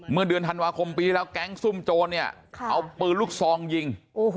เมื่อเดือนธันวาคมปีแล้วแก๊งซุ่มโจรเนี่ยเอาปืนลูกซองยิง